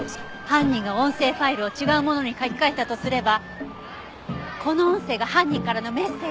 犯人が音声ファイルを違うものに書き換えたとすればこの音声が犯人からのメッセージ。